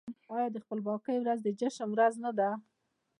آیا د خپلواکۍ ورځ د جشن ورځ نه ده؟